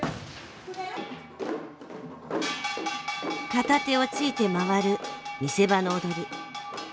片手をついて回る見せ場の踊り。